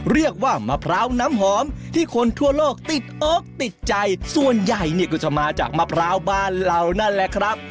มะพร้าวน้ำหอมที่คนทั่วโลกติดอกติดใจส่วนใหญ่เนี่ยก็จะมาจากมะพร้าวบ้านเรานั่นแหละครับ